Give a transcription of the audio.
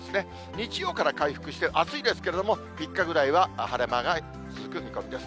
日曜から回復して、暑いですけれども、３日ぐらいは晴れ間が続く見込みです。